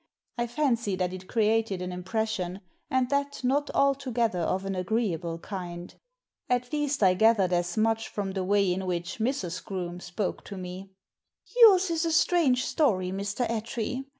I fancy that it created an impression, and that not altogether of an agreeable kind. At least, I gathered as much from the way in which Mrs. Groome spoke to me. " Yours is a strange story, Mr. Attree.